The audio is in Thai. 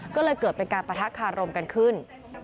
ก็เลยเกิดเป็นการปะทะคารมกันขึ้น